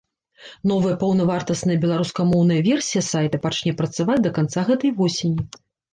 Новая паўнавартасная беларускамоўная версія сайта пачне працаваць да канца гэтай восені.